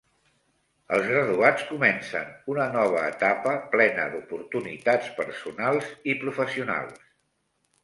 Els graduats comencen una nova etapa plena d'oportunitats personals i professionals.